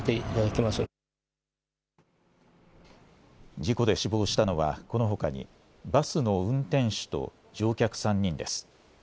事故で死亡したのはこのほかにバスの運転手と乗客３人です。